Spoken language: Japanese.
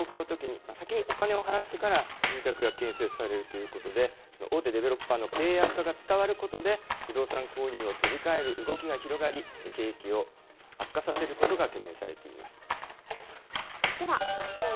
中国では住宅を買うときに先にお金を払ってから住宅が建設されるということで、大手デベロッパーの経営悪化が伝わることで、不動産購入を手控える動きが広がり、不動産の景気を悪化させることが懸念されています。